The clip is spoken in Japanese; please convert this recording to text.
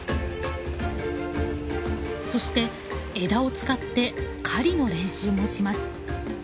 そして枝を使って狩りの練習もします。